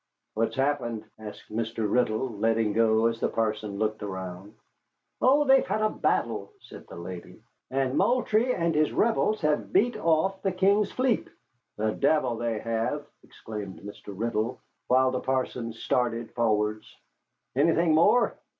"What's happened?" asked Mr. Riddle, letting go as the parson looked around. "Oh, they've had a battle," said the lady, "and Moultrie and his Rebels have beat off the King's fleet." "The devil they have!" exclaimed Mr. Riddle, while the parson started forwards. "Anything more?"